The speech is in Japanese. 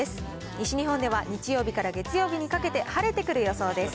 西日本では日曜日から月曜日にかけて晴れてくる予想です。